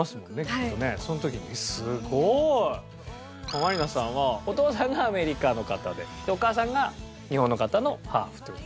マリナさんはお父さんがアメリカの方でお母さんが日本の方のハーフって事ですね。